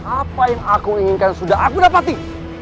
apa yang aku inginkan sudah aku dapati